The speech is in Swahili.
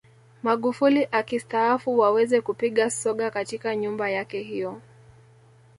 Magufuli akistaafu waweze kupiga soga katika nyumba yake hiyo